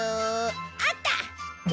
あった！